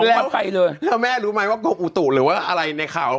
แล้วแม่รู้ไหมว่ากลมอุตุหรืออะไรในข่าว